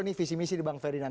ini visi misi di bang ferdinand